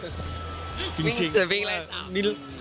วิ่งจะวิ่งอะไรจ้ะ